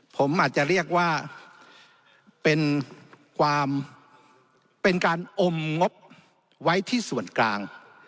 ผมอาจจะเรียกว่าเป็นความเป็นการอมงบไว้ที่ส่วนกลาง